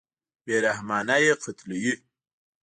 بېرحمانه یې قتلوي.